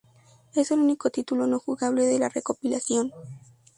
Es el único título no jugable de la recopilación.